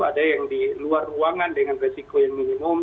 ada yang di luar ruangan dengan resiko yang minimum